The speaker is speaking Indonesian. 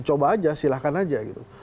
coba aja silahkan aja gitu